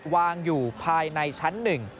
วางอยู่ภายในชั้น๑